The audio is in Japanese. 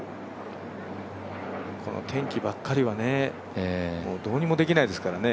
天気ばっかりはね、どうにもできないですからね。